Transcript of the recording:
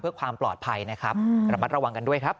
เพื่อความปลอดภัยนะครับระมัดระวังกันด้วยครับ